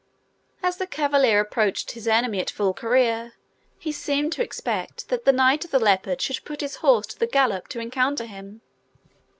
As the cavalier approached his enemy at full career, he seemed to expect that the Knight of the Leopard should put his horse to the gallop to encounter him.